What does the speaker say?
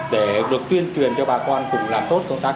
để được tuyên truyền cho bà con cùng làm tốt công tác